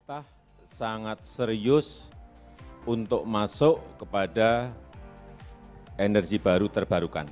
pemerintah sangat serius untuk masuk kepada energi baru terbarukan